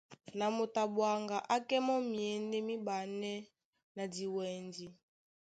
Na moto a ɓwaŋga á kɛ́ mɔ́ myěndé míɓanɛ́ na diwɛndi.